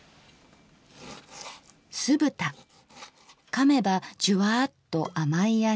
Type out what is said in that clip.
かめばジュワッと甘い味。